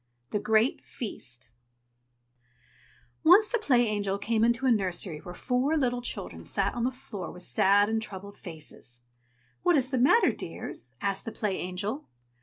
THE GREAT FEAST Once the Play Angel came into a nursery where four little children sat on the floor with sad and troubled faces. "What is the matter, dears?" asked the Play Angel.